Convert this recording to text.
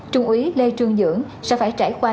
trung úy lê trương dưỡng sẽ phải trải qua